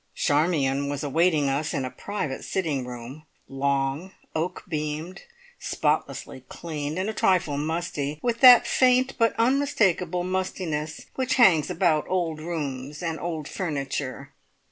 Charmion was awaiting us in a private sitting room, long, oak beamed, spotlessly clean, and a trifle musty, with that faint but unmistakable mustiness which hangs about old rooms and old furniture.